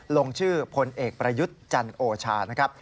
ลงชื่อพลเอกประยุทธ์จันโอชานะครับ